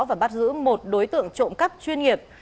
và bắt giữ một đối tượng trộm cắp chuyên nghiệp